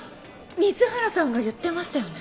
水原さんが言ってましたよね。